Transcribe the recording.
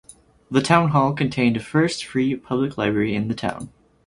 The town hall contained first free public library in the town.